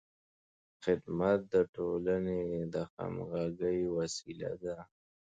خدمت د ټولنې د همغږۍ وسیله ده.